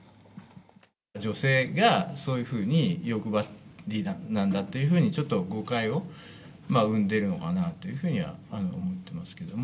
女性がそういうふうによくばりなんだというふうに、ちょっと誤解を生んでるのかなというふうには思ってますけども。